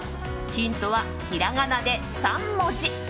ヒントはひらがなで３文字。